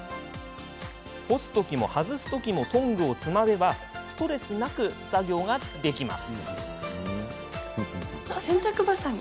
干すときも外すときもトングをつまめばストレスなく作業ができます。